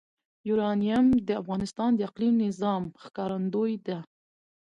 یورانیم د افغانستان د اقلیمي نظام ښکارندوی ده.